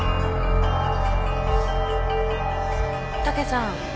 武さん